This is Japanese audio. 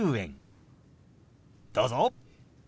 どうぞ。